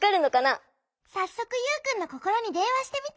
さっそくユウくんのココロにでんわしてみて。